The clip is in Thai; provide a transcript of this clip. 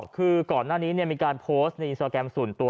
คือก่อนหน้านี้มีการโพสต์ในอินสตราแกรมส่วนตัว